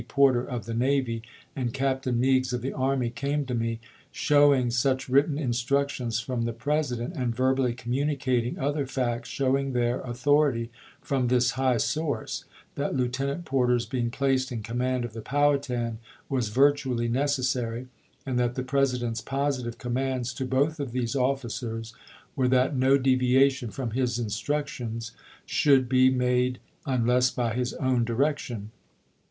Porter of the navy and Captain Meigs of the army came to me, showing such written instructions from the President, and verbally communicating other facts showing their authority from this high source, that Lieutenant Porter's being placed in command of the Fowhatan was virtuall}'' necessary, and that the President's positive commands to both of these officers were that no deviation from his instructions should be made unless by his own direction.